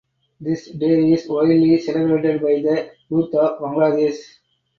This day is widely celebrated by the youth of Bangladesh.